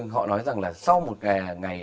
họ nói rằng là sau một ngày